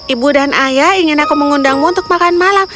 ibu dan ayah ingin aku mengundangmu untuk makan malam